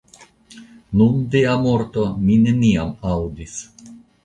Nun, dia morto, mi neniam aŭdis !